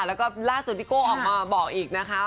แล้วก็ล่าสุดพี่โก้ออกมาบอกอีกนะคะ